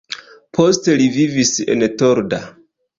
Poste li vivis en Torda.